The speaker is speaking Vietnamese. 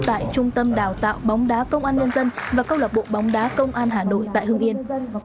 tại trung tâm đào tạo bóng đá công an nhân dân và câu lạc bộ bóng đá công an hà nội tại hưng yên